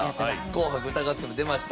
『紅白歌合戦』も出ました。